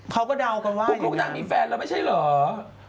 เขาก็เดากันว่าปุ๊กลูกนั้นมีแฟนแล้วไม่ใช่เหรอ